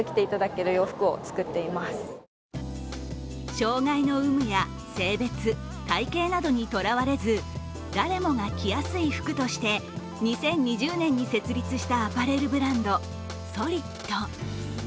障害の有無や性別、体形などにとらわれず誰もが着やすい服として２０２０年に設立したアパレルブランド、ＳＯＬＩＴ！。